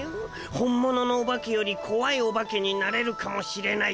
本物のオバケよりこわいオバケになれるかもしれない。